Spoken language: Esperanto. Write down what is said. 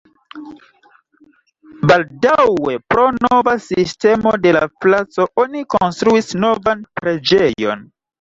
Baldaŭe pro nova sistemo de la placo oni konstruis novan preĝejon.